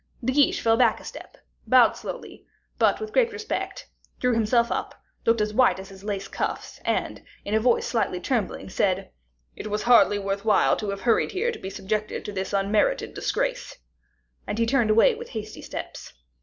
De Guiche fell back a step, bowed slowly, but with great respect, drew himself up, looking as white as his lace cuffs, and, in a voice slightly trembling, said, "It was hardly worth while to have hurried here to be subjected to this unmerited disgrace." And he turned away with hasty steps.